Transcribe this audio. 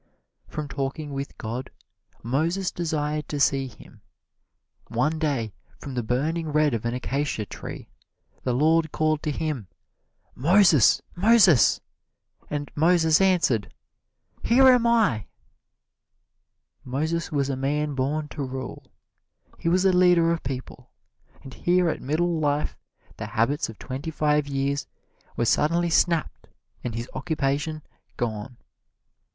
From talking with God, Moses desired to see Him. One day, from the burning red of an acacia tree, the Lord called to him, "Moses, Moses!" And Moses answered, "Here am I!" Moses was a man born to rule he was a leader of men and here at middle life the habits of twenty five years were suddenly snapped and his occupation gone.